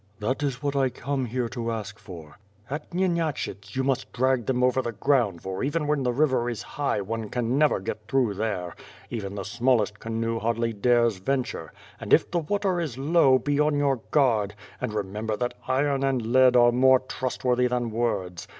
"That is what I come here to ask for." "At Nyenashyts you must drag them over the ground for even when the river is high, one can never get through there; J 16 WITH FtRE AXD SWORD. even the smallest canoe hardly dares venture; and if the water is low, be on your guard, and remember that iron and lead are more trustworthy than words.